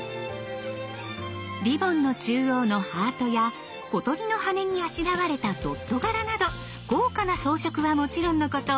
リボンの中央のハートや小鳥の羽にあしらわれたドット柄など豪華な装飾はもちろんのこと